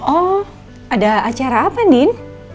oh ada acara apa din